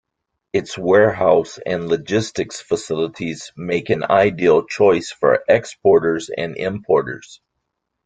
Its warehouse and logistics facilities make an ideal choice for exporters and importers.